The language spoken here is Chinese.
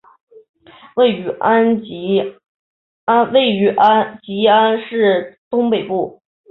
位于吉安市东北部。